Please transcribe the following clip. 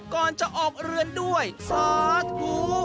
ก่อนจะออกเรือนด้วยสาธุ